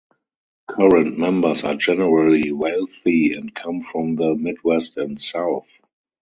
Current members are generally wealthy and come from the Midwest and South.